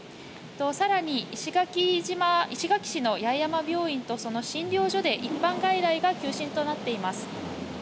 更に石垣市の八重山病院とその診療所で一般外来が休診となっています。